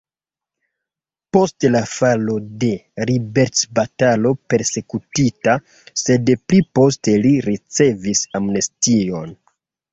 Post la falo de liberecbatalo persekutita, sed pli poste li ricevis amnestion.